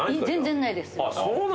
全然ないですよ。